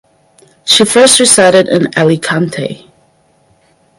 She first resided in Alicante.